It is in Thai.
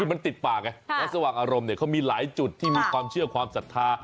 มันติดป่าไงวัดสว่างอารมณ์เนี่ยเขามีหลายจุดที่มีความเชื่อความศรัทธา